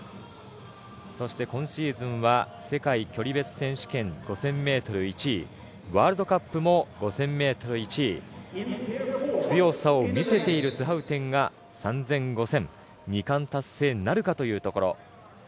そして今シーズンは世界距離別選手権５０００ｍ、１位ワールドカップも５０００ｍ、１位強さをみせているスハウテンが３０００、５０００、２冠達成なるかというところ。